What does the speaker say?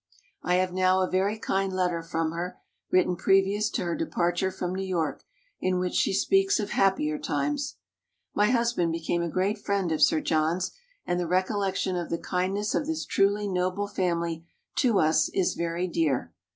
I have now a very kind letter from her, written previous to her departure from New York, in which she speaks of happier times. My husband became a great friend of Sir John's, and the recollection of the kindness of this truly noble family to us is very dear.